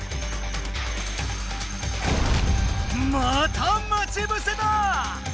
また待ちぶせだ！